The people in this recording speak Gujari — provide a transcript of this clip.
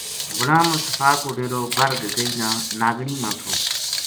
غلام مصطفیٰ کو ڈیرو بر گگئی ناگنی ما تھو